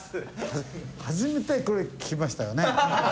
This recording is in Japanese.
初めてこれ聞きましたよね？